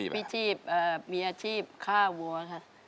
พี่ชีพมีอาชีพฆ่าวัวค่ะ